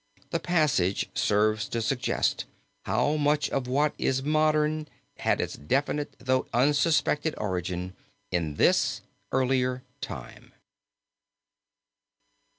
The passage serves to suggest how much of what is modern had its definite though unsuspected origin, in this earlier time.